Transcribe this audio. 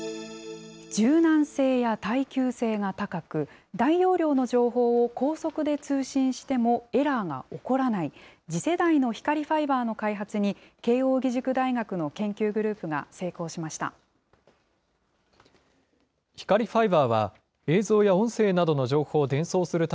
柔軟性や耐久性が高く、大容量の情報を高速で通信してもエラーが起こらない、次世代の光ファイバーの開発に、慶應義塾大学の研究グループが成功しました。